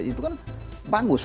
itu kan bagus